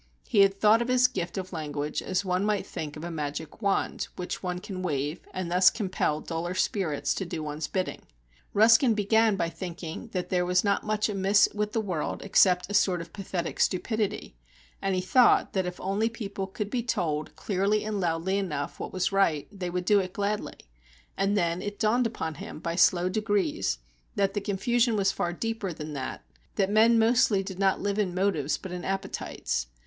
He had thought of his gift of language as one might think of a magic wand which one can wave, and thus compel duller spirits to do one's bidding. Ruskin began by thinking that there was not much amiss with the world except a sort of pathetic stupidity; and he thought that if only people could be told, clearly and loudly enough, what was right, they would do it gladly; and then it dawned upon him by slow degrees that the confusion was far deeper than that, that men mostly did not live in motives but in appetites.